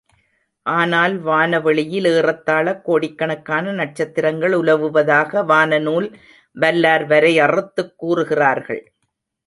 ஆனால், வானவெளியில் ஏறத்தாழ கோடிக்கணக்கான நட்சத்திரங்கள் உலவுவதாக வான நூல் வல்லார் வரையறுத்துக் கூறுகிறார்கள்.